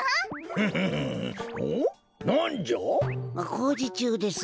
こうじちゅうです。